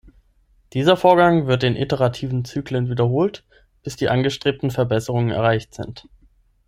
Dieser Vorgang wird in iterativen Zyklen wiederholt, bis die angestrebten Verbesserungen erreicht sind.